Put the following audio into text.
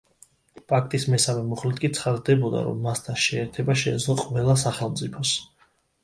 პაქტის მესამე მუხლით კი ცხადდებოდა, რომ მასთან შეერთება შეეძლო ყველა სახელმწიფოს.